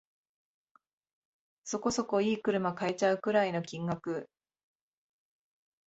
そこそこ良い車買えちゃうくらいの金額